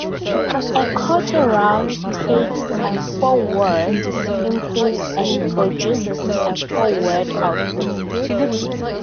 A quarter-round takes a four-word input and produces a four-word output.